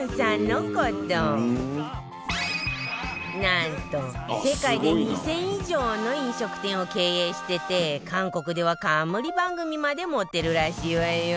なんと世界で２０００以上の飲食店を経営してて韓国では冠番組まで持ってるらしいわよ